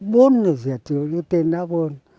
bốn là diệt chứa như tên đáp ơn